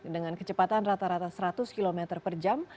dengan kecepatan rata rata seratus km per jam